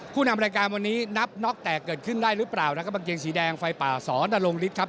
นำรายการวันนี้นับน็อกแตกเกิดขึ้นได้หรือเปล่านะครับกางเกงสีแดงไฟป่าสอนรงฤทธิครับ